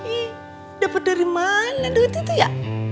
ih dapat dari mana duit itu ya